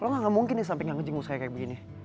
kok gak mungkin nih sampai gak ngejenguk saya kayak begini